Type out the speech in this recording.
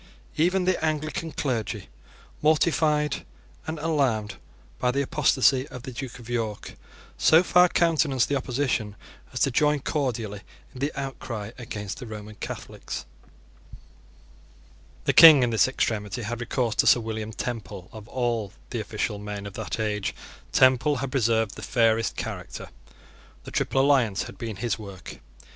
Even the Anglican clergy, mortified and alarmed by the apostasy of the Duke of York, so far countenanced the opposition as to join cordially in the outcry against the Roman Catholics. The King in this extremity had recourse to Sir William Temple. Of all the official men of that age Temple had preserved the fairest character. The Triple Alliance had been his work.